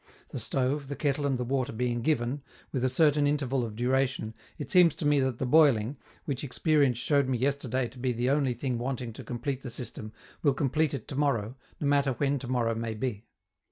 The stove, the kettle and the water being given, with a certain interval of duration, it seems to me that the boiling, which experience showed me yesterday to be the only thing wanting to complete the system, will complete it to morrow, no matter when to morrow may be.